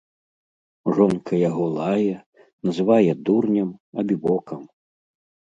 Жонка яго лае, называе дурнем, абібокам.